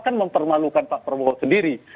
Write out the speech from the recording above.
kan mempermalukan pak prabowo sendiri